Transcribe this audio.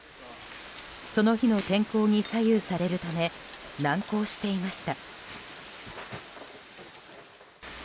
その日の天候に左右されるため難航していました。